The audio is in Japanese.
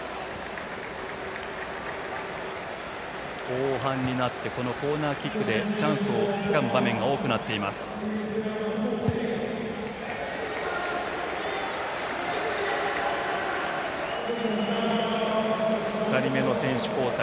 後半になって、コーナーキックでチャンスをつかむ場面が多くなっています、デンマーク。